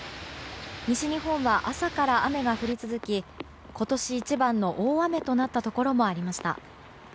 西日本は朝から雨が降り続き今年一番の大雨となったところもありました。